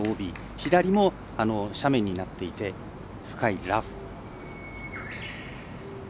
左も斜面になっていて深いラフ。